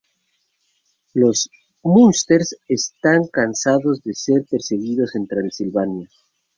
Los Munsters están cansados de ser perseguidos en Transilvania.